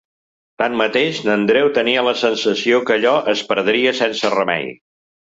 Tanmateix, n’Andreu tenia la sensació que allò es perdria sense remei.